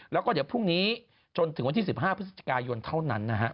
แล้วก็เดี๋ยวพรุ่งนี้จนถึงวันที่๑๕พฤศจิกายนเท่านั้นนะครับ